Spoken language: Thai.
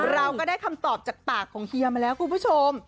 เราก็ได้คำตอบจากปากของเฮียมาแล้วคุณผู้ชม